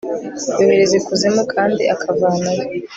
yohereza ikuzimu kandi akavanayo